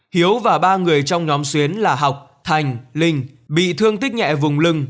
hiếu và ba người trong nhóm xuyến là học thành linh bị thương tích nhẹ vùng lưng